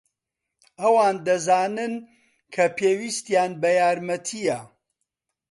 ئەوان دەزانن کە پێویستیان بە یارمەتییە.